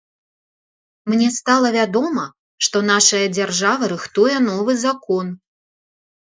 Мне стала вядома, што нашая дзяржава рыхтуе новы закон.